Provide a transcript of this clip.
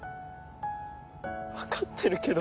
わかってるけど。